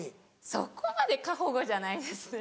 そこまで過保護じゃないですね。